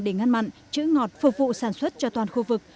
để ngăn mặn chữ ngọt phục vụ sản xuất cho toàn khu vực